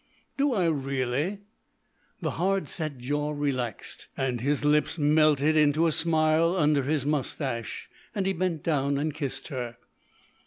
"Do I, really?" The hard set jaw relaxed and his lips melted into a smile under his moustache, and he bent down and kissed her.